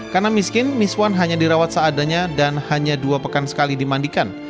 karena miskin miswan hanya dirawat seadanya dan hanya dua pekan sekali dimandikan